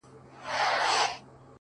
ويل يې غواړم ځوانيمرگ سي _